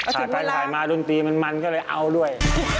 ถ้าถ่ายมารุ่นตีมันมันก็เลยเอาด้วย